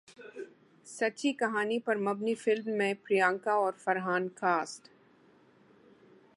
سچی کہانی پر مبنی فلم میں پریانکا اور فرحان کاسٹ